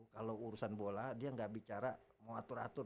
kalau urusan bola dia nggak bicara mau atur atur